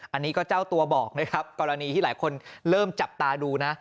อันนี้ก็เจ้าตัวบอกนะครับกรณีที่หลายคนเริ่มจับตาดูนะ